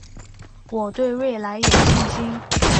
我对未来有信心